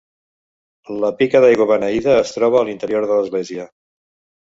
La pica d'aigua beneïda es troba a l'interior de l'església.